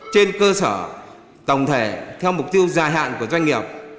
trên cơ sở tổng thể theo mục tiêu dài hạn của doanh nghiệp